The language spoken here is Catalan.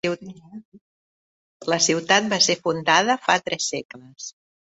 La ciutat va ser fundada fa tres segles.